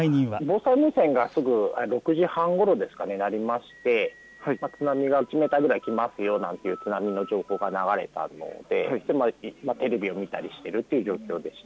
防災無線が６時半ごろ鳴りまして津波が１メートルぐらい来ますよという津波の情報が流れたのでテレビを見たりしているという状況でした。